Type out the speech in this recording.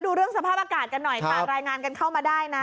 ดูเรื่องสภาพอากาศกันหน่อยค่ะรายงานกันเข้ามาได้นะ